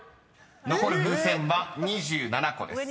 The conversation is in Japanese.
［残る風船は２７個です］